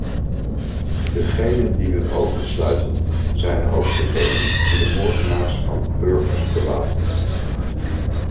Degenen die hun ogen sluiten zijn ook degenen die de moordenaars van burgers bewapenen.